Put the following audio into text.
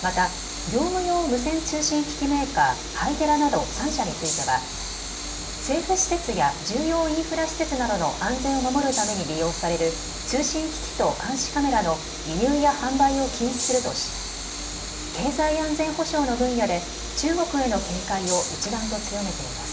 また業務用無線通信機器メーカー、ハイテラなど３社については政府施設や重要インフラ施設などの安全を守るために利用される通信機器と監視カメラの輸入や販売を禁止するとし経済安全保障の分野で中国への警戒を一段と強めています。